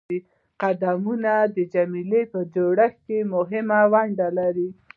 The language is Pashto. قیدونه د جملې په جوړښت کښي مهمه ونډه لري.